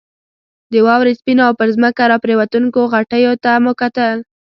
د واورې سپینو او پر ځمکه راپرېوتونکو غټیو ته مو کتل.